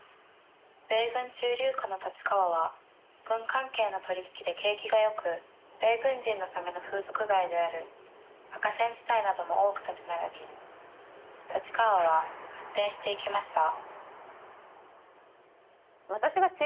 米軍駐留区の立川は軍関係の取り引きで景気が良く米軍人のための風俗街である赤線地帯なども多く立ち並び立川は発展していきました